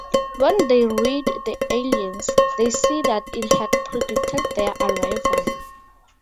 When they read "The Aliens", they see that it had predicted their arrival.